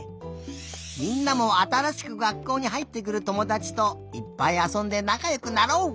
みんなもあたらしく学校にはいってくるともだちといっぱいあそんでなかよくなろう！